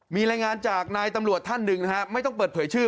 มีรายงานจากนายตำรวจท่านหนึ่งนะฮะไม่ต้องเปิดเผยชื่อ